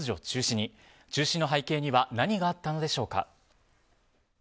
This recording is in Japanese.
中止の背景には何があったのでしょうか。